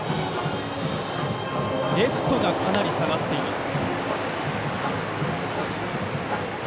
レフトがかなり下がっています。